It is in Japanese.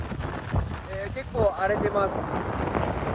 結構、荒れてます。